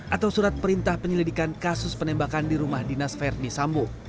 atau surat perintah penyelidikan kasus penembakan di rumah dinas verdi sambo